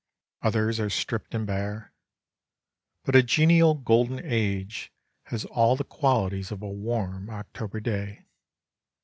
Others are stripped and bare. But a genial, golden age has all the qualities of a warm October day.